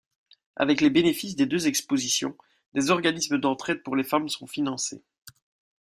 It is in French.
Avec les bénéfices des deux expositions, des organismes d'entraide pour les femmes sont financés.